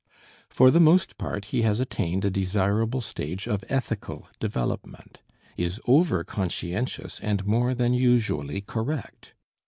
For the most part he has attained a desirable stage of ethical development, is overconscientious and more than usually correct.